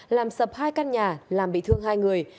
làm sập hai căn nhà làm bị thương hai người